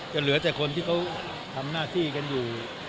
เหลือแต่คนที่เขาทำหน้าที่กันอยู่